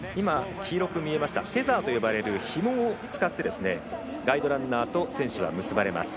黄色く見えましたテザーと呼ばれるひもを使ってガイドランナーと選手は結ばれます。